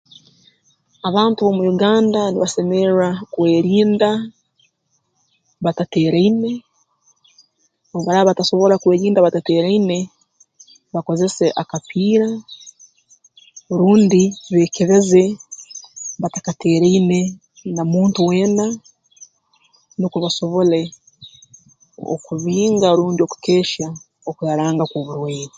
Abantu omu Uganda nibasemerra kwerinda batateeraine obu baraba batasobora kwerinda batateeraine bakozese akapiira rundi beekebeze batakateeraine na muntu weena nukwo basobole okubinga rundi okukehya okuraranga kw'oburwaire